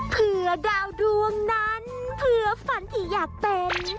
เพื่อดาวดวงนั้นเพื่อฝันที่อยากเป็น